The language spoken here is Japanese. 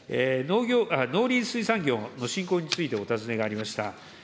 農林水産業の振興についてお尋ねがありました。